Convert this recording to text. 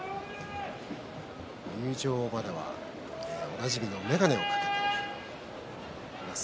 入場まではおなじみの眼鏡をかけています